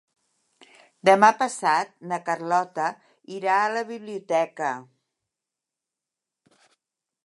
Demà passat na Carlota irà a la biblioteca.